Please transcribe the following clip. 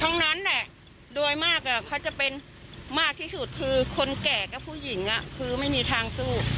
ทั้งนั้นแหละโดยมากเขาจะเป็นมากที่สุดคือคนแก่กับผู้หญิงคือไม่มีทางสู้